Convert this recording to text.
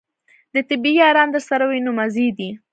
د طبې یاران درسره وي نو مزې دي.